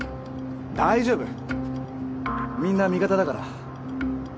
大丈夫みんな味方だから。